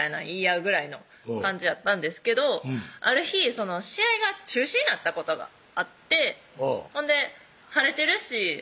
言い合うぐらいの感じやったんですけどある日試合が中止になったことがあってほんで晴れてるし